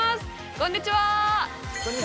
こんにちは！